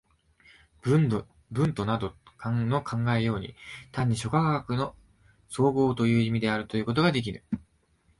ヴントなどの考えたように、単に諸科学の綜合という意味であることができぬ。